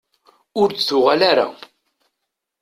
Ur d-tuɣal ara.